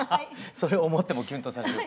それ思ってもキュンとされる。